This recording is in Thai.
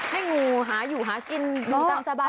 ให้งูหาอยู่หากินอยู่ตามสบายกันเลย